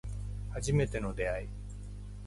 初めての出会い